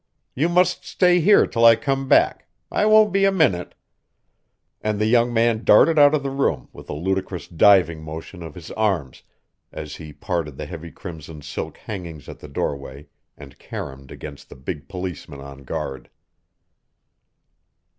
You must stay here till I come back I won't be a minute," and the young man darted out of the room with a ludicrous diving motion of his arms as he parted the heavy crimson silk hangings at the doorway and caromed against the big policeman on guard.